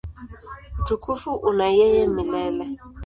Utukufu una yeye milele.